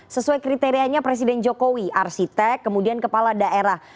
sesuai kriterianya presiden jokowi arsitek kemudian kepala daerah